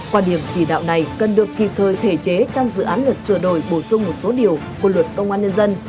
quan điểm chỉ đạo này cần được kịp thời thể chế trong dự án luật sửa đổi bổ sung một số điều của luật công an nhân dân